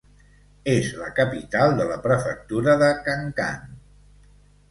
És la capital de la prefectura de Kankan.